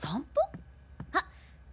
あっ。